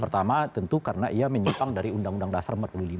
pertama tentu karena ia menyimpang dari undang undang dasar empat puluh lima